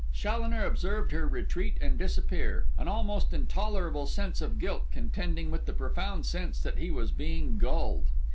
Challoner observed her retreat and disappear, an almost intolerable sense of guilt contending with the profound sense that he was being gulled.